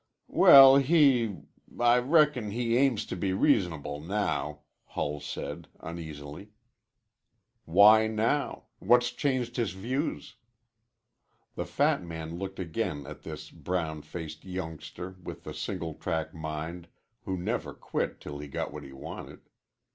"Well, he I reckon he aims to be reasonable now," Hull said uneasily. "Why now? What's changed his views?" The fat man looked again at this brown faced youngster with the single track mind who never quit till he got what he wanted.